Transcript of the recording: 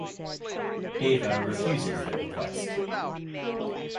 Deva refuses the request.